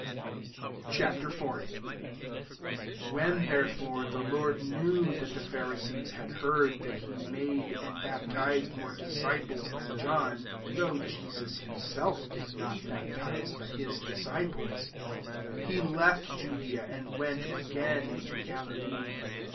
Ch. IV. 1 Whek, therefore, the Lord knew that the Phari sees had heard that he made and baptized more disciples than John \ 2 (though Jesus himself did not baptize, but hi9 disciples) ; 3 he left Judea, and went [again] into Galilee.